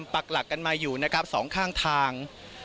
ปักหลักกันมาอยู่นะครับสองข้างทาง